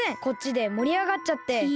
こっちでもりあがっちゃって。